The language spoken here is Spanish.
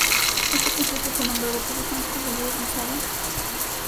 Este concierto fue nombrado por los fans como "Where is Adam?